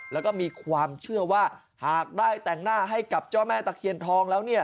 แล้วก็มีความเชื่อว่าหากได้แต่งหน้าให้กับเจ้าแม่ตะเคียนทองแล้วเนี่ย